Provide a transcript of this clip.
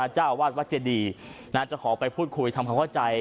เจ้าวาดวัดเจดีจะขอไปพูดคุยทำความเข้าใจ